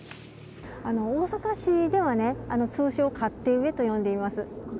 大阪市では、通称勝手植えと呼んでいます。